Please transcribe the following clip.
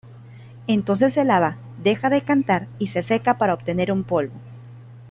Entonces se lava, deja decantar y se seca para obtener un polvo.